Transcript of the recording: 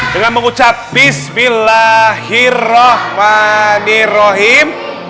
dengan mengucap bismillahirrohmanirrohim